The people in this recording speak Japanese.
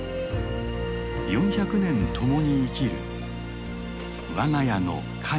４００年共に生きる我が家の神様の木だ。